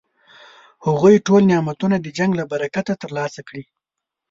هغوی ټول نعمتونه د جنګ له برکته ترلاسه کړي.